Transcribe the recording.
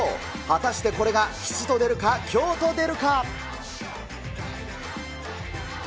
果たしてこれが吉と出るか凶と出るか。